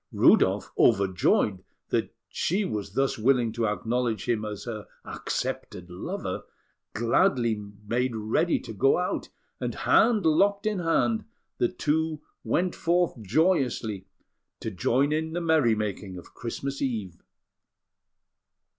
Rudolf, overjoyed that she was thus willing to acknowledge him as her accepted lover, gladly made ready to go out; and, hand locked in hand, the two went forth joyously to join in the merry making of Christmas Eve.